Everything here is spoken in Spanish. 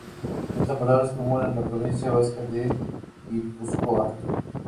Esta palabra es común en la provincia vasca de Guipúzcoa.